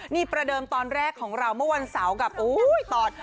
นี่ประเดิมตอนแรกของเราเมื่อวันเสาร์กับโอ้ยตอน